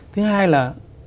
thứ hai là